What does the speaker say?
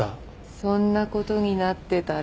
そんな事になってたら。